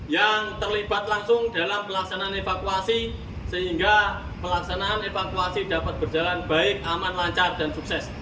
yang terlibat langsung dalam pelaksanaan evakuasi sehingga pelaksanaan evakuasi dapat berjalan baik aman lancar dan sukses